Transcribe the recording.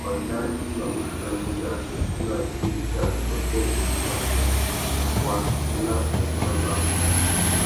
Wanda i mà mù chanena i mà djï kā zu sôtô iffussú matê, wuffuá na mudjúra mâā.